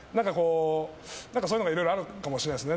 何か、そういうのがいろいろあるかもしれないですね。